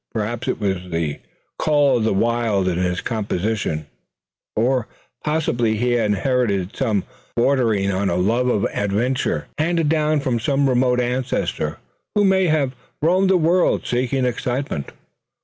Perhaps it was the "call of the wild" in his composition; or possibly he had inherited some trait bordering on a love of adventure, handed down from some remote ancestor who may have roamed the world seeking excitement.